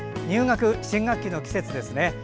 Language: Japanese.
入学、新学期の季節ですね。